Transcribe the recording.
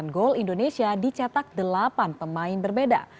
sembilan gol indonesia dicatak delapan pemain berbeda